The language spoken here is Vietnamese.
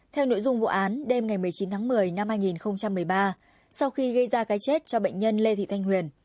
theo nội dung vụ án đêm ngày một mươi chín tháng một mươi năm hai nghìn một mươi ba sau khi gây ra cái chết cho bệnh nhân lê thị thanh huyền